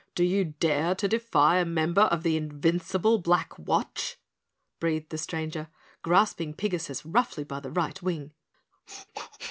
"Do you dare to defy a member of the Invincible Black Watch?" breathed the stranger, grasping Pigasus roughly by the right wing.